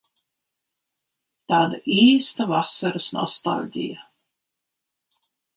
Tāda īsta vasaras nostaļģija.